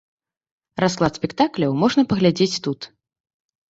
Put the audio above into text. Расклад спектакляў можна паглядзець тут.